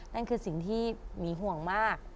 นั่นคือสิ่งที่หมีห่วงมาก